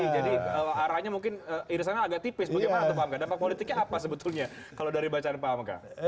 jadi arahnya mungkin irisannya agak tipis bagaimana pak dampak politiknya apa sebetulnya kalau dari bacaan pak